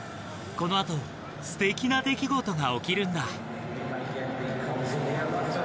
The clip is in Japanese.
この後ステキな出来事が起きるんだ。